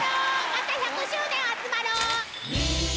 また１００周年集まろう。